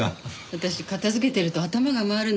私片づけてると頭が回るの。